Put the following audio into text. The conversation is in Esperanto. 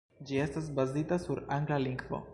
Ĝi estas bazita sur angla lingvo.